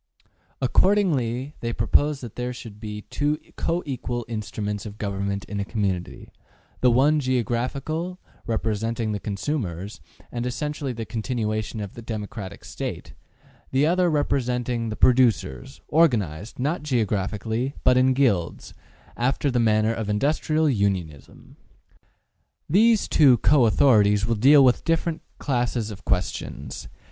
Accordingly they propose that there should be two co equal instruments of Government in a community, the one geographical, representing the consumers, and essentially the continuation of the democratic State; the other representing the producers, organized, not geographically, but in guilds, after the manner of industrial unionism. These two author ities will deal with different classes of questions.